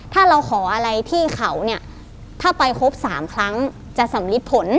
ถ้าเราขออะไรที่เขาเนี่ยถ้าไปครบ๓ครั้งจะสำลิดผล